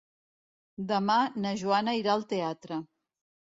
Demà na Joana irà al teatre.